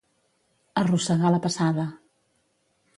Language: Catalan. Arrossegar la passada.